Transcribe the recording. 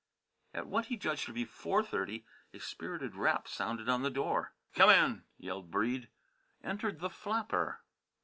At what he judged to be four thirty a spirited rap sounded on the door. "C'min," yelled Breede. Entered the flapper.